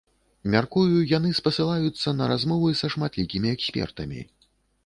Мяркую, яны спасылаюцца на размовы са шматлікімі экспертамі.